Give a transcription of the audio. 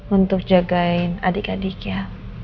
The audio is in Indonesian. untuk jagain adik adiknya